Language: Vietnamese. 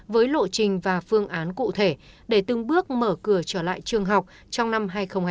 với lộ trình và phương án cụ thể để từng bước mở cửa trở lại trường học trong năm hai nghìn hai mươi